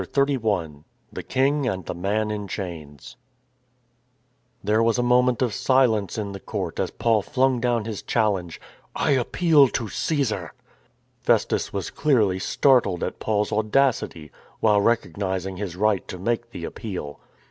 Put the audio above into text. XXXI THE KING AND THE MAN IN CHAINS THERE was a moment of silence in the court as Paul flung down his challenge. " I appeal to Csesar." Festus was clearly startled at Paul's audacity, while recognising his right to make the appeal.